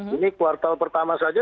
ini kuartal pertama saja